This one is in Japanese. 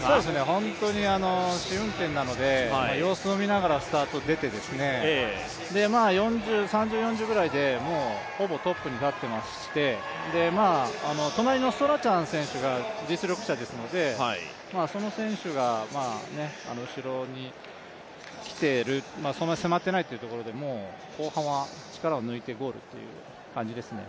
本当に試運転なので、様子を見ながらスタート出て３０４０ぐらいでほぼトップに立っていまして隣のストラチャン選手が実力者ですのでその選手が後ろに来て、そんなに迫ってないというところでもう後半は力を抜いてゴールという感じですね。